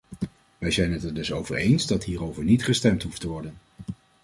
We zijn het er dus over eens dat hierover niet gestemd hoeft te worden.